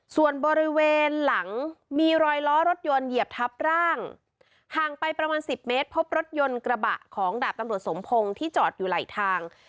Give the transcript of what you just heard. ส่วนบริเวณหลังมีรอยล้อรถยนต์เหยียบทับร่างห่างไปประมาณสิบเมตรพบรถยนต์กระบะของดาบตำรวจสมพงศ์ที่จอดอยู่ไหลทาง